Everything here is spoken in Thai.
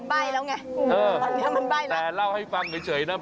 มันใบ้แล้วไงแต่เล่าให้ฟังเฉยนะ